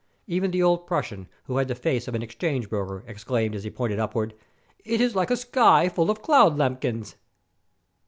Even the old Prus sian, who had the face of an exchange broker, exclaimed, as he pointed upward: ''It is like a sky full of cloud lambkins."